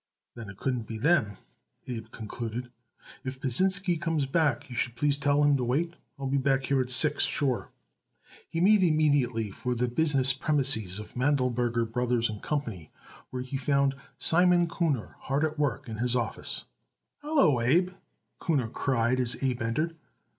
"Then it couldn't be them," Abe concluded. "If Pasinsky comes back you should please tell him to wait. I will be back here at six, sure." He made immediately for the business premises of Mandleberger Brothers & Co., where he found Simon Kuhner hard at work in his office. "Hallo, Abe!" Kuhner cried as Abe entered.